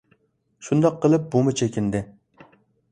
شۇنداق قىلىپ بۇمۇ چېكىندى.